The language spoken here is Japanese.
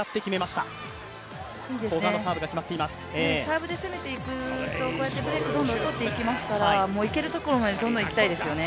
サーブで攻めていくとプレーってどんどんブレークがとれますからいけるところまでどんどんいきたいですよね。